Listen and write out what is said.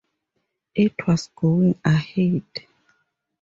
It was going ahead.